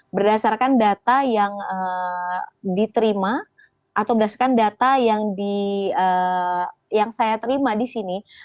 berdasarkan data yang diterima atau berdasarkan data yang saya terima di sini